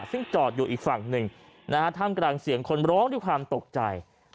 ซึ่งจอดอยู่อีกฝั่งหนึ่งนะฮะท่ามกลางเสียงคนร้องด้วยความตกใจ